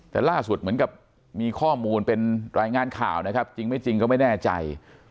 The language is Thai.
แต่ล่าสุดเหมือนกับมีข้อมูลเป็นรายงานข่าวนะครับจริงไม่จริงก็ไม่แน่ใจ